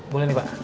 boleh nih pak